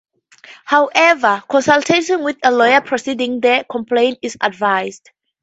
However, consultation with a lawyer preceding the complaint is advised.